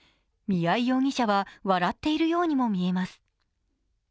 宮井容疑者は笑っているようにも見えます。